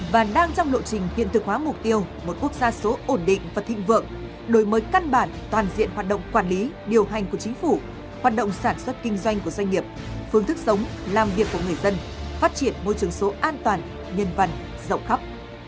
và đang trong lộ trình hiện thực hóa mục tiêu một quốc gia số ổn định và thịnh vượng đổi mới căn bản toàn diện hoạt động quản lý điều hành của chính phủ hoạt động sản xuất kinh doanh của doanh nghiệp phương thức sống làm việc của người dân phát triển môi trường số an toàn nhân văn rộng khắp